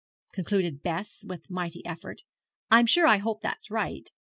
_' concluded Bess, with a mighty effort; 'I'm sure I hope that's right.'